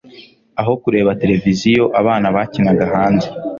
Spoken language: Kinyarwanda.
aho kureba televiziyo, abana bakinaga hanze